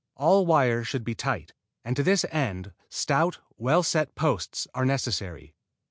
All wires should be tight, and to this end stout, well set posts are necessary.